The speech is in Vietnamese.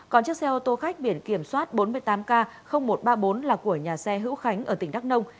còn chiếc xe ô tô khách biển kiểm soát bốn mươi tám k một trăm ba mươi bốn là của nhà xe hữu khánh ở tỉnh đắk nông